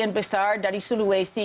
yang besar dari sulawesi